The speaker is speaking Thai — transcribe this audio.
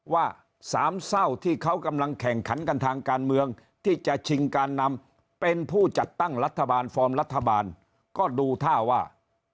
ว่าสามเศร้าที่เขากำลังแข่งขันกันทางการเมืองที่จะชิงการนำเป็นผู้จัดตั้งรัฐบาลฟอร์มรัฐบาลก็ดูท่าว่า